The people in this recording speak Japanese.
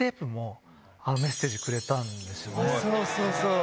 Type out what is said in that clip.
そうそう！